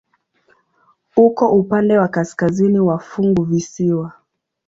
Uko upande wa kaskazini wa funguvisiwa.